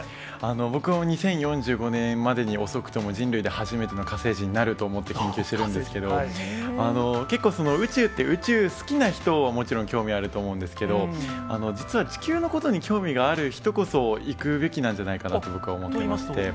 僕も２０４５年までに遅くとも人類で初めての火星人になると思って研究してるんですけど、結構、宇宙って宇宙好きな人はもちろん興味あると思うんですけど、実は地球のことに興味がある人こそ行くべきなんじゃないかなと僕といいますと？